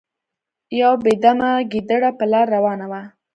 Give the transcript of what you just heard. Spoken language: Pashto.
یو بې دمه ګیدړه په لاره روانه وه.